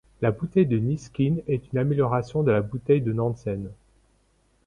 La bouteille de Niskin est une amélioration de la bouteille de Nansen.